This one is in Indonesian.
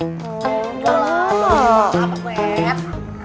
udah lah apa beres